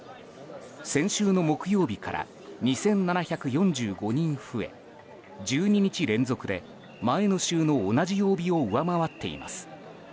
先週の木曜日から２７４５人増え１２日連続で前の週の同じ曜日を上回っています。